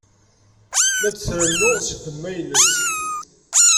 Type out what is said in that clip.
La d-trennu seg ddemma-nnes.